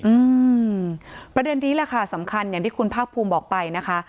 อืมประเด็นนี้แหละค่ะสำคัญอย่างที่คุณภาคภูมิบอกไปนะคะ